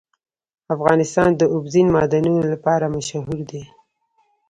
افغانستان د اوبزین معدنونه لپاره مشهور دی.